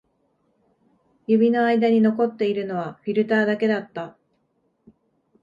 指の間に残っているのはフィルターだけだった